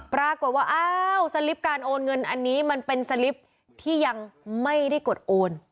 ปรากฏว่าอ้าวสลิปการโอนเงินอันนี้มันเป็นสลิปที่ยังไม่ได้กดโอน